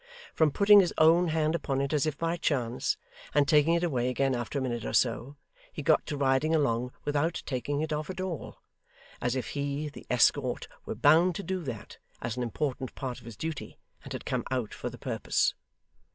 From putting his own hand upon it as if by chance, and taking it away again after a minute or so, he got to riding along without taking it off at all; as if he, the escort, were bound to do that as an important part of his duty, and had come out for the purpose.